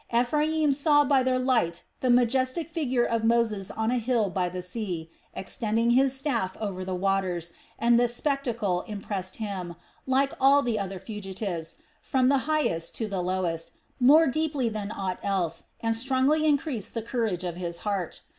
Ephraim saw by their light the majestic figure of Moses on a hill by the sea, extending his staff over the waters, and the spectacle impressed him, like all the other fugitives, from the highest to the lowest, more deeply than aught else and strongly increased the courage of his heart.